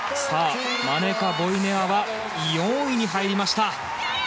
マネカ・ボイネアは４位に入りました。